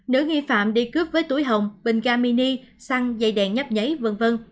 nữ nghi phạm đi cướp với túi hồng bình ga mini xăng dày đèn nhắp nháy v v